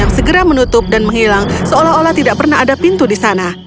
yang segera menutup dan menghilang seolah olah tidak pernah ada pintu di sana